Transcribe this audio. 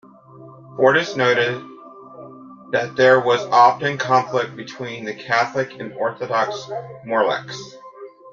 Fortis noted that there was often conflict between the Catholic and Orthodox Morlachs.